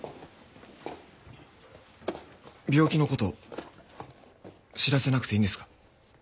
病気の事知らせなくていいんですか？